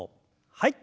はい。